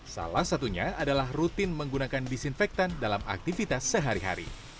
salah satunya adalah rutin menggunakan disinfektan dalam aktivitas sehari hari